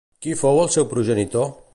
Qui fou el seu progenitor?